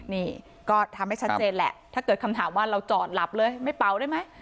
นี่ก็ทำให้ชัดเจนแหละถ้าเกิดคำถามว่าเราจอดหลับเลยไม่เป่าได้ไหม